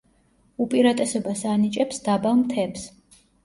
უპირატესობას ანიჭებს დაბალ მთებს.